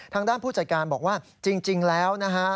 ทางด้านผู้จัดการบอกว่าจริงแล้วนะฮะ